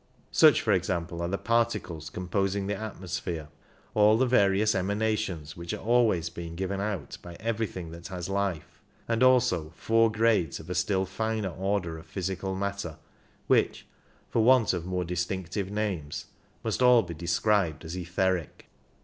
Such, for example, are the particles composing the atmosphere, all the various emanations which are always being given out by everything that has life, and also four grades of a still finer order of physical matter which, for want of more distinctive names, must all be described as etheric.